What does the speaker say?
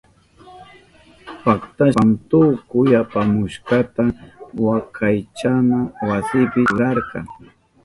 Paktashpan tukuy apamushkanta wakaychana wasipi churarka.